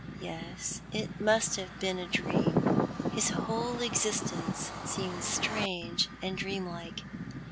Yes, it must have been a dream. His whole existence seemed strange and dreamlike.